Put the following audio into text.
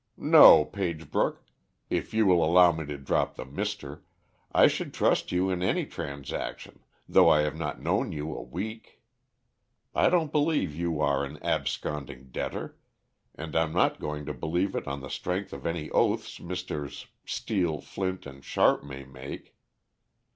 "No, Pagebrook if you will allow me to drop the 'Mister' I should trust you in any transaction, though I have not known you a week. I don't believe you are an absconding debtor, and I'm not going to believe it on the strength of any oaths Messrs. Steel, Flint & Sharp may make."